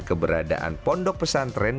keberadaan pondok pesantren